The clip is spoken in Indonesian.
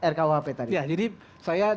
rkuhp tadi jadi saya